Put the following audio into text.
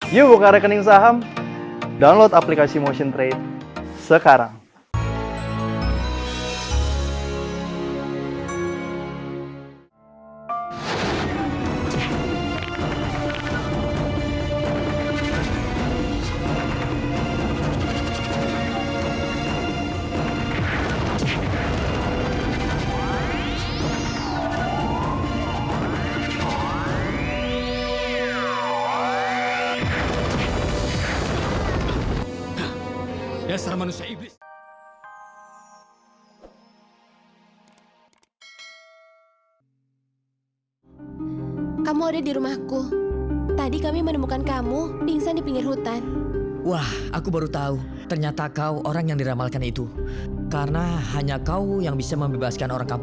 yuk buka rekening saham download aplikasi motion trade sekarang